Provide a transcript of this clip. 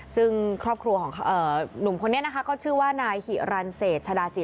ซึ่งครอบครัวของหนุ่มคนนี้นะคะก็ชื่อว่านายหิรันเศษชดาจิ